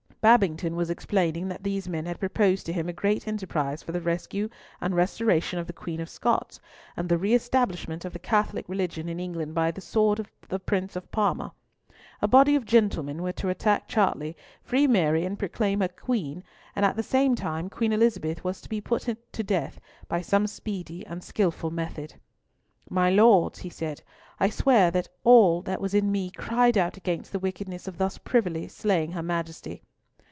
Babington was explaining that these men had proposed to him a great enterprise for the rescue and restoration of the Queen of Scots, and the re establishment of the Catholic religion in England by the sword of the Prince of Parma. A body of gentlemen were to attack Chartley, free Mary, and proclaim her Queen, and at the same time Queen Elizabeth was to be put to death by some speedy and skilful method. "My Lords," he said, "I swear that all that was in me cried out against the wickedness of thus privily slaying her Majesty."